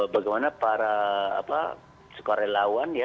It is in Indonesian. bagaimana para sukarelawan ya